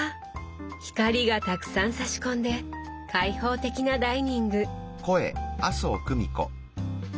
光がたくさんさし込んで開放的なダイニング。